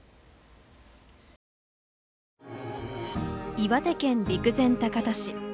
岩手県陸前高田市。